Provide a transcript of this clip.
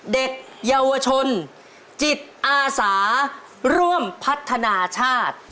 เด็กเยาวชนจิตอาสาร่วมพัฒนาชาติ